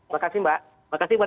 terima kasih mbak